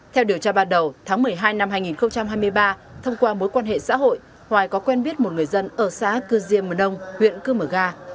theo điều tra ban đầu tháng một mươi hai năm hai nghìn hai mươi ba thông qua mối quan hệ xã hội hoài có quen biết một người dân ở xã cư diêm mờ đông huyện cư mờ ga